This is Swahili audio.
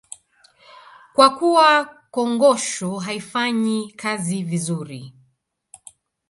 Kwa kuwa kongosho haifanyi kazi vizuri